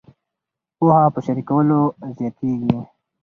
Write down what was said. پوهه په شریکولو زیاتیږي.